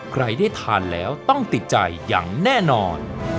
ใครได้ทานแล้วต้องติดใจอย่างแน่นอน